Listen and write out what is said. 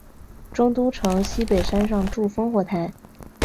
中都城西北山上筑烽火台。